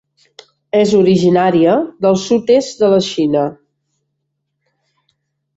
És originària del sud-est de la Xina.